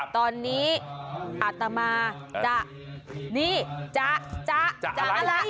ตอนนี้อาตมาจะนี่จะจะจะอะไร